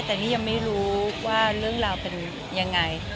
แต่นี่ยังไม่รู้ว่าเรื่องราวเป็นยังไง